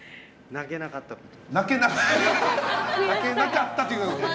泣けなかったと。